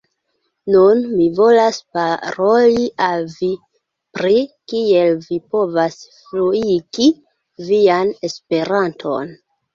Nun, mi volas paroli al vi, pri kiel vi povas fluigi vian Esperanton.